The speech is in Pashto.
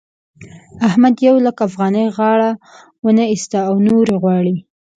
احمد په يو لک افغانۍ غاړه و نه اېسته او نورې غواړي.